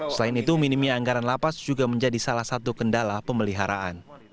selain itu minimnya anggaran lapas juga menjadi salah satu kendala pemeliharaan